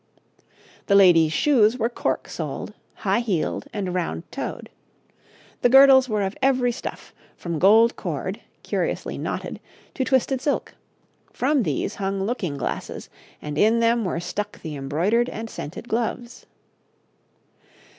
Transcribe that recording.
The ladies' shoes were cork soled, high heeled, and round toed. The girdles were of every stuff, from gold cord, curiously knotted, to twisted silk; from these hung looking glasses, and in them were stuck the embroidered and scented gloves.